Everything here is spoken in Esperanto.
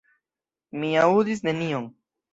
Mi aŭdis nenion.